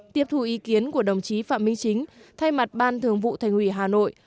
tiếp thủ ý kiến của đồng chí phạm minh chính thay mặt ban thường vụ thành ủy hà nội